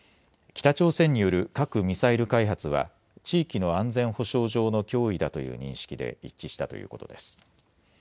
北朝鮮による核・ミサイル開発は地域の安全保障上の脅威だという認識で一致したということです。